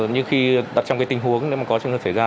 nhưng khi đặt trong tình huống nếu có trường hợp xảy ra